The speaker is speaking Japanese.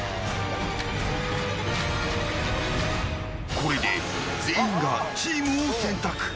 これで全員がチームを選択。